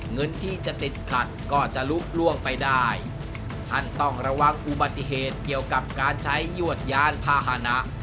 เงินที่จะติดขัดก็จะลุกล่วงไปได้ท่านต้องระวังอุบัติเหตุเกี่ยวกับการใช้ยวดยานพาหนะ